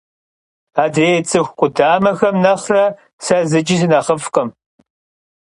Adrêy ts'ıxu k'uedaxem nexhre se zıç'i sınexhıf'khım.